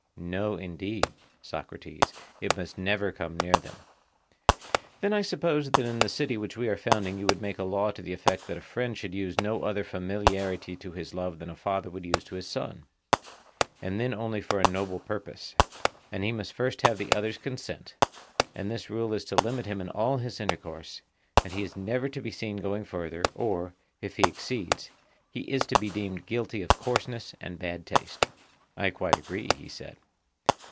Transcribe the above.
No, indeed, Socrates, it must never come near them. Then I suppose that in the city which we are founding you would make a law to the effect that a friend should use no other familiarity to his love than a father would use to his son, and then only for a noble purpose, and he must first have the other's consent; and this rule is to limit him in all his intercourse, and he is never to be seen going further, or, if he exceeds, he is to be deemed guilty of coarseness and bad taste. I quite agree, he said.